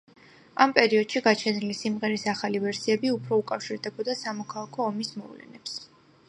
ამ პერიოდში გაჩენილი სიმღერის ახალი ვერსიები უფრო უკავშირდებოდა სამოქალაქო ომის მოვლენებს.